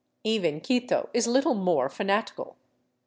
Even Quito is little more fanatical.